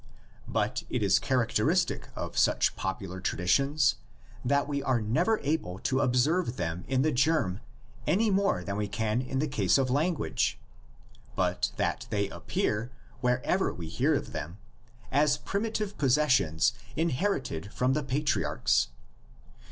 But it is characteristic of such popular traditions that we are never able to observe them in the germ, any more than we can in the case of language, but that they appear, wherever we hear of them, as prim itive possessions inherited from the patriarchs.